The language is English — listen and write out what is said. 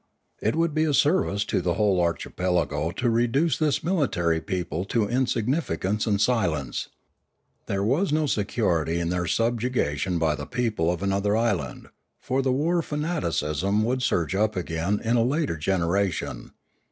It would be a service to the whole archipelago to reduce this military people to insignifi cance and silence. There was no security in their subjugation by the people of another island, for the war fanaticism would surge up again in a later genera tion.